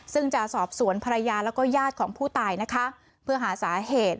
ซึ่งจะสอบสวนภรรยาและยาดของผู้ตายเพื่อหาสาเหตุ